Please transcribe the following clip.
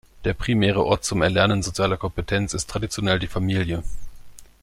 Der primäre Ort zum Erlernen sozialer Kompetenz ist traditionell die Familie.